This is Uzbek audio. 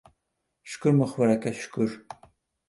— Shukur muxbir aka, shukur.